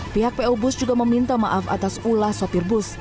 pihak po bus juga meminta maaf atas ulah sopir bus